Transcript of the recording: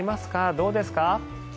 どうですか？